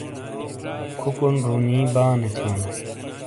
کھوکونڈ رُونی بانے تھیونو۔